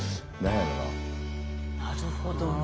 なるほどね。